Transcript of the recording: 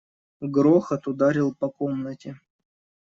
Грохот ударил по комнате.